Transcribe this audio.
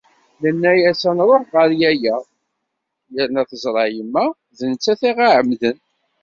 Nenna-as ad nṛuḥ ɣer yaya, yerna tezṛa yemma, d nettat i aɣ-iɛemmden.